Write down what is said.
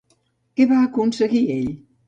Què va aconseguir ell?